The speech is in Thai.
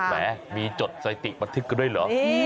แหมมีจดสถิติบันทึกกันด้วยเหรอ